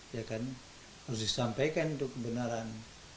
ya kan harus disampaikan untuk kebenaran